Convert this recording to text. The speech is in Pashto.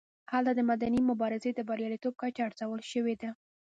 هلته د مدني مبارزې د بریالیتوب کچه ارزول شوې ده.